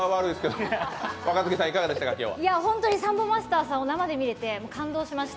サンボマスターさんを生で見れて感動しました。